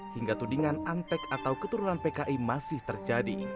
hingga tudingan antek atau keturunan pki masih terjadi